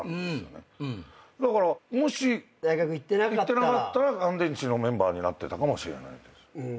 だからもし行ってなかったら乾電池のメンバーになってたかもしれないです。